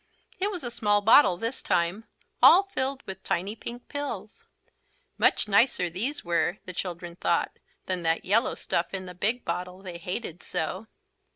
It was a small bottle this time, all filled with tiny pink pills. Much nicer these were, the children thought, than that yellow stuff in the big bottle they hated so.